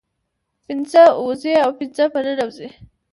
پنځه ووزي او پنځه په ننوزي